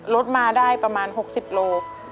ลดมาได้ประมาณ๖๐กิโล